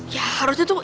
ya harusnya tuh